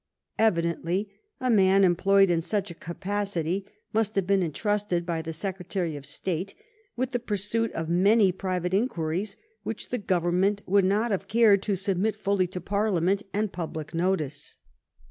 Evidently a man employed in such a capacity must have been intrusted by the Secretary of State with the pursuit of many private inquiries which the gov ernment would not have cared to submit fully to par liamentary and public notice.